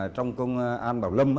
trong công an bảo lâm